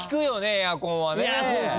エアコンはね。